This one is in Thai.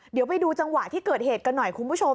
เดี๋ยวไปดูจังหวะที่เกิดเหตุกันหน่อยคุณผู้ชม